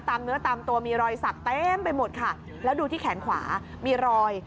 เนื้อตามตัวมีรอยสักเต็มไปหมดค่ะแล้วดูที่แขนขวามีรอย